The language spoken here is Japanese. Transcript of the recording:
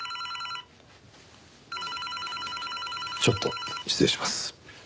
ちょっと失礼します。